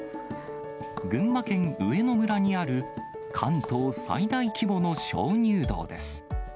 群馬県上野村にある、関東最大規模の鍾乳洞です。